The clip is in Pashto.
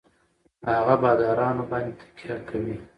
هـغـه بـادارنـو بـانـدې يـې تکيـه کـوي.